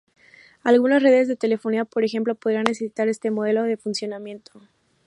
Algunas redes de telefonía, por ejemplo, podrían necesitar este modelo de funcionamiento.